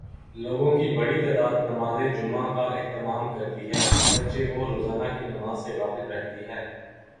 لوگوں کی بڑی تعداد نمازجمعہ کا اہتمام کرتی ہے، اگر چہ وہ روزانہ کی نماز سے غافل رہتی ہے۔